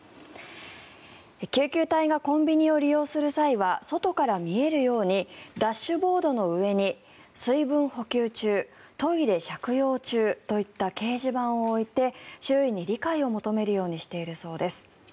救急隊がコンビニを利用する際は外から見えるようにダッシュボードの上に「水分補給中」「トイレ借用中」といった掲示板を置いて周囲に理解を求めるようにしているそうです。